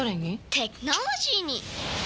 テクノロジーに！